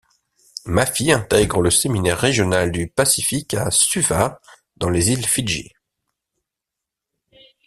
Mafi intègre le séminaire régional du Pacifique à Suva dans les îles Fidji.